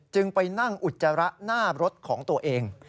ไปนั่งอุจจาระหน้ารถของตัวเอง